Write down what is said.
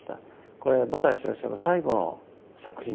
これ茂田井先生の最後の作品です。